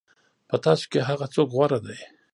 په تاسو کې هغه څوک غوره دی.